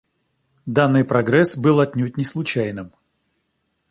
Данный прогресс был отнюдь не случайным.